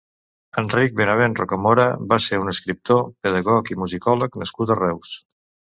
Enric Benavent Rocamora va ser un escriptor, pedagog i musicòleg nascut a Reus.